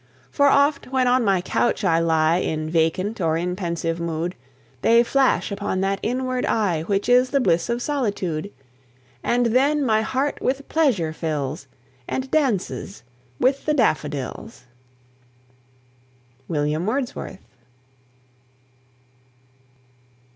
For oft, when on my couch I lie In vacant or in pensive mood, They flash upon that inward eye Which is the bliss of solitude; And then my heart with pleasure fills, And dances with the daffodils. WILLIAM WORDSWORTH.